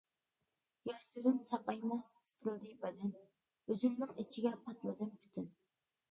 يارلىرىم ساقايماس، تىتىلدى بەدەن، ئۆزۈمنىڭ ئىچىگە پاتمىدىم پۈتۈن.